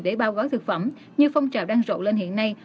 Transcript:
để bao gói thực phẩm như phong trào đang rộ lên hiện nay